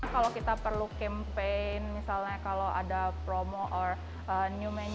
kalau kita perlu campaign misalnya